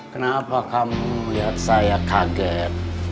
kenapa kamu lihat saya kaget